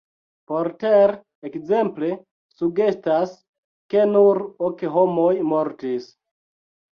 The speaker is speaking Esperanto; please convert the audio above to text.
Porter ekzemple sugestas, ke nur ok homoj mortis.